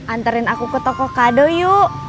antarin aku ke toko kado yuk